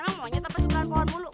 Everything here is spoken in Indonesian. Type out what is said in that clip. emang maunya tetep sebelahan pohon mulu